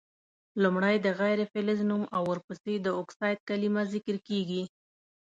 لومړی د غیر فلز نوم او ورپسي د اکسایډ کلمه ذکر کیږي.